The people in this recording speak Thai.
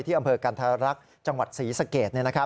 อำเภอกันธรรักษ์จังหวัดศรีสเกต